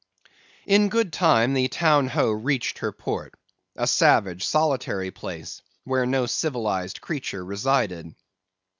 "In good time, the Town Ho reached her port—a savage, solitary place—where no civilized creature resided.